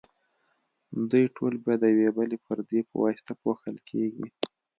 دوی ټول بیا د یوې بلې پردې په واسطه پوښل کیږي.